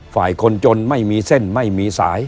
คนจนไม่มีเส้นไม่มีสาย